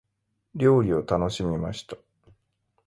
料理を楽しみました。